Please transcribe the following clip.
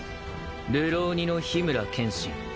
流浪人の緋村剣心。